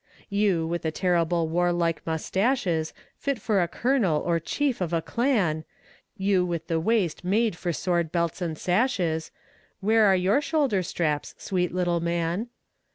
You, with the terrible warlike mustaches, Fit for a colonel or chief of a clan, You with the waist made for sword belts and sashes, Where are your shoulder straps, sweet little man?